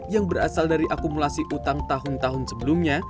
yang berasal dari akumulasi utang tahun tahun sebelumnya